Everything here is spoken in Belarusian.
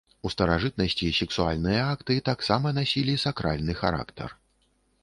У старажытнасці сексуальныя акты таксама насілі сакральны характар.